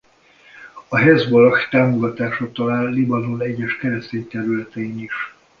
A Hezbollah támogatásra talál Libanon egyes keresztény területein is.